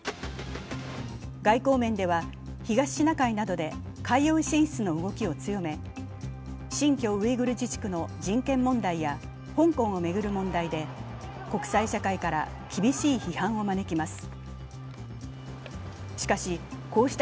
外交面では東シナ海などで海洋進出への動きを強め、新疆ウイグル自治区の人権問題や香港を巡る問題で国際社会から厳しい批判を招きます。